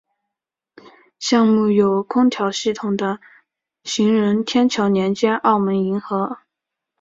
项目有空调系统的行人天桥连接澳门银河。